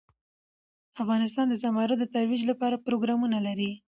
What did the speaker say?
افغانستان د زمرد د ترویج لپاره پروګرامونه لري.